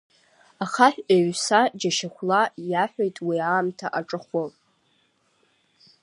Ахаҳә еиҩса џьашьахәла иаҳәоит уи аамҭа аҿахәы.